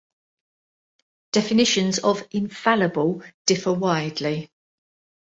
Definitions of 'infallible' differ widely.